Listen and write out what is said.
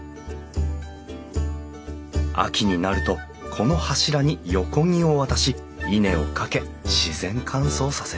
秋になるとこの柱に横木を渡し稲をかけ自然乾燥させる。